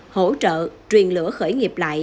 hỗ trợ truyền lửa khởi nghiệp lại